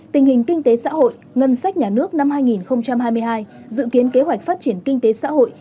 tình hình kinh tế xã hội ngân sách nhà nước năm hai nghìn hai mươi hai dự kiến kế hoạch phát triển kinh tế xã hội